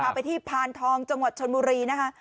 พาไปพานทองจนชนมุรีนะคะ